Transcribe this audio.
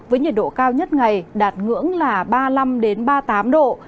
với nhiệt độ cao nhất ngày đạt ngưỡng là ba mươi năm ba mươi tám độ